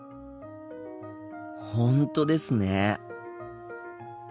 本当ですね。